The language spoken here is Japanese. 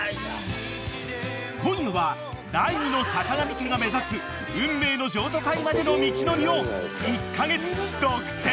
［今夜は第２の坂上家が目指す運命の譲渡会までの道のりを］